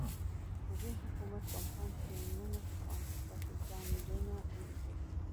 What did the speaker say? د دې حکومت کمپایني ټیمونه پخواني فاسد بانډونه دي.